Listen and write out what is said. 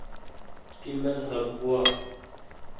تی مذہب گوا؟